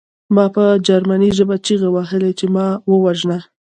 ما په جرمني ژبه چیغې وهلې چې ما ووژنه